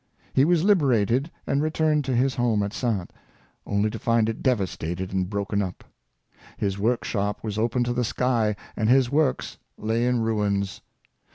He was liberated, and returned to his home at Saintes, only to find it devastated and broken up. His workshop was open to the sky, and his works lay in ruins.